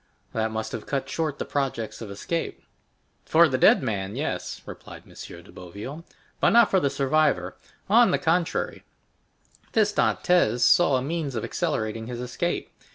"That must have cut short the projects of escape." "For the dead man, yes," replied M. de Boville, "but not for the survivor; on the contrary, this Dantès saw a means of accelerating his escape.